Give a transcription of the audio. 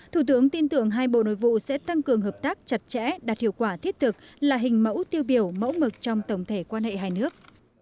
thủ tướng tin tưởng hai bộ nội vụ sẽ tăng cường hợp tác chặt chẽ đạt hiệu quả thiết thực là hình mẫu tiêu biểu mẫu mực trong tổng thể quan hệ hai nước